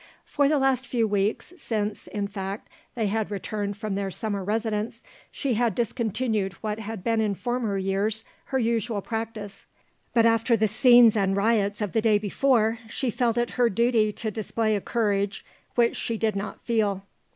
For the last few weeks, since, in fact, they had returned from their summer residence, she had discontinued what had been in former years her usual practice; but after the scenes and riots of the day before she felt it her duty to display a courage which she did not feel.